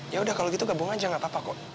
ya udah kalo gitu gabung aja gapapa kok